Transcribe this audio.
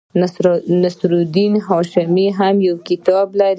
نصیر الدین هاشمي هم یو کتاب لري.